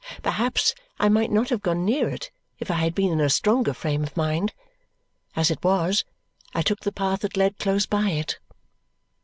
Perhaps I might not have gone near it if I had been in a stronger frame of mind. As it was, I took the path that led close by it.